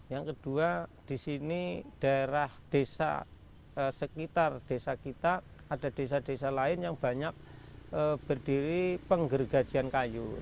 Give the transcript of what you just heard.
yang kedua di sini daerah desa sekitar desa kita ada desa desa lain yang banyak berdiri penggergajian kayu